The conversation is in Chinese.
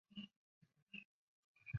乌牛栏之役。